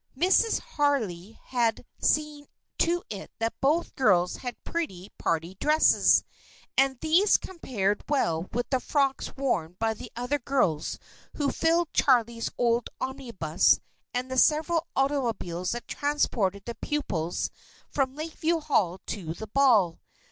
Mrs. Harley had seen to it that both girls had pretty party dresses, and these compared well with the frocks worn by the other girls who filled Charley's old omnibus and the several automobiles that transported the pupils from Lakeview Hall to the ball.